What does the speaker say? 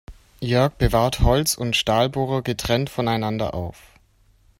Jörg bewahrt Holz- und Stahlbohrer getrennt voneinander auf.